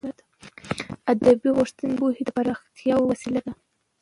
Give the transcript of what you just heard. ادبي غونډې د پوهې د خپراوي وسیله ده.